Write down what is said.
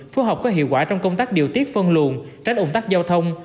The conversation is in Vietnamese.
phù hợp có hiệu quả trong công tác điều tiết phân luồn tránh ủng tắc giao thông